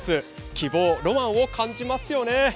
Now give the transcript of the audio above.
希望・ロマンを感じますよね。